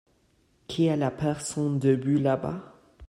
Qui est la personne debout là-bas ?